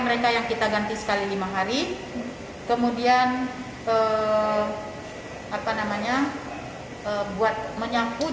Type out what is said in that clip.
berita terkini mengenai penyakit covid sembilan belas